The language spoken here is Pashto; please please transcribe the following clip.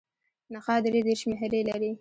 نخاع درې دیرش مهرې لري.